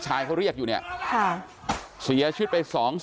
ไม่หนีพวกมึง